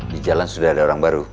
di jalan sudah ada orang baru